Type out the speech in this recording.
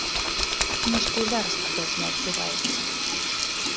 Нешта і зараз падобнае адбываецца.